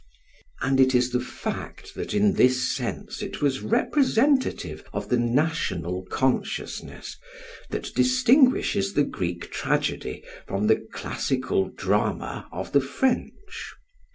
And it is the fact that in this sense it was representative of the national consciousness, that distinguishes the Greek tragedy from the classical drama of the French.